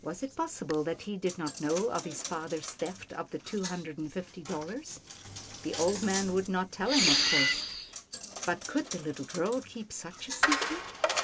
'TILDA JANE RECEIVES A SHOCK 263 possible that he did not know of his father's theft of the two hundred and fifty dollars ? The old man would not tell him of course, but could the little girl keep such a "secret